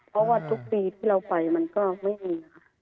เพราะว่าทุกปีที่เราไปมันก็ไม่มีค่ะ